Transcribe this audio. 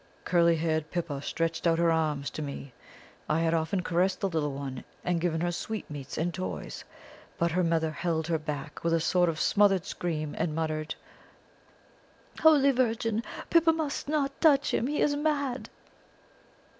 "Curly haired Pippa stretched out her arms to me I had often caressed the little one, and given her sweetmeats and toys but her mother held her back with a sort of smothered scream, and muttered: "'Holy Virgin! Pippa must not touch him; he is mad.'